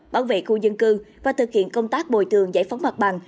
bảo vệ khu dân cư và thực hiện công tác bồi thường giải phóng mặt bằng